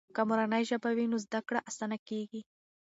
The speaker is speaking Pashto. که مورنۍ ژبه وي نو زده کړه آسانه کیږي.